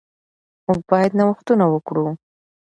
موږ باید نوښتونه وکړو.